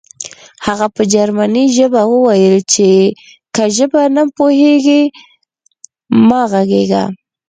هغې په جرمني ژبه وویل چې که ژبه نه پوهېږې مه غږېږه